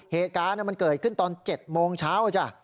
เหตุการณ์มันเกิดขึ้นตอน๗โมงเช้าจ้ะ